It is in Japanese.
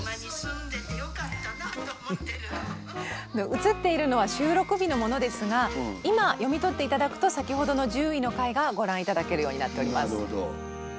映っているのは収録日のものですが今読み取って頂くと先ほどの１０位の回がご覧頂けるようになっております。